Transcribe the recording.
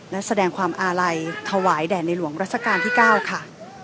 และแสดงความอาลัยถวายแด่ในหลวงรัชกาลที่๙ค่ะ